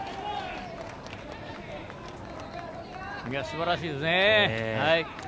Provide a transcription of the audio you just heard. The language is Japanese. すばらしいですね。